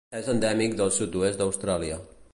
És endèmic del sud-oest d'Austràlia.